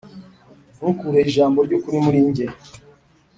Ntukure ijambo ryukuri murinjye